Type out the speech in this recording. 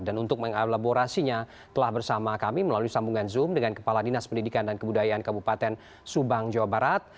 dan untuk mengelaborasinya telah bersama kami melalui sambungan zoom dengan kepala dinas pendidikan dan kebudayaan kabupaten subang jawa barat